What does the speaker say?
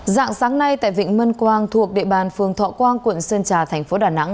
dạng sáng nay tại vịnh mân quang thuộc địa bàn phường thọ quang quận sơn trà thành phố đà nẵng